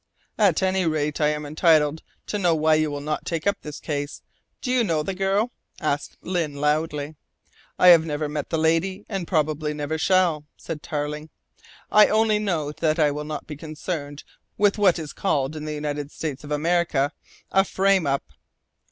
"At any rate, I am entitled to know why you will not take up this case. Do you know the girl?" asked Lyne loudly. "I have never met the lady and probably never shall," said Tarling. "I only know that I will not be concerned with what is called in the United States of America a 'frame up.'"